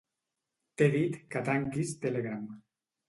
T'he dit que tanquis Telegram.